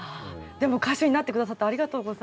でも歌手になって下さってありがとうございます。